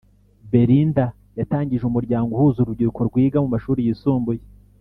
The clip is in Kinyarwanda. Belinda yatangije umuryango uhuza urubyiruko rwiga mu mashuli yisumbuye